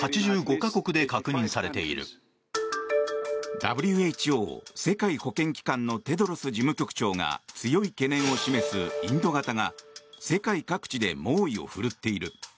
ＷＨＯ・世界保健機関のテドロス事務局長が強い懸念を示す、インド型が世界各地で猛威を振るっている。